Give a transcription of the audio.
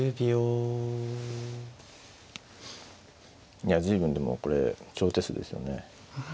いや随分でもこれ長手数ですよね。